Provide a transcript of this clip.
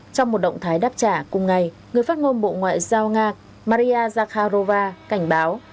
trong một động thái đáp trả cùng ngày người phát ngôn bộ ngoại giao nga maria zakharova cảnh báo